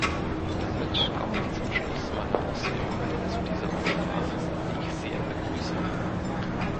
Damit komme ich zum Schluss meiner Ausführungen zu dieser Aussprache, die ich sehr begrüße.